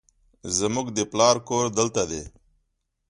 زموږ د پلار کور دلته دی